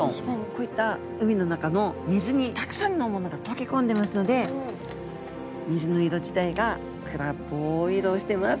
こういった海の中の水にたくさんのものが溶け込んでますので水の色自体が暗っぽい色をしてます。